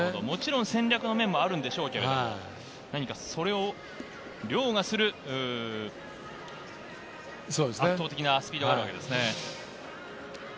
戦略面もあるでしょうが、それを凌駕する圧倒的なスピードがあるわけですね。